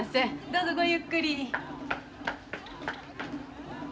どうぞごゆっくり。